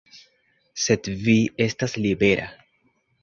Sed vi estas libera.